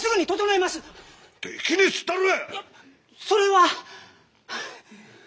それは。